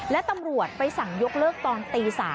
และตำรวจไปสั่งยกเลิกตอนตี๓